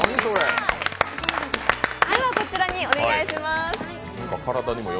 では、こちらにお願いします。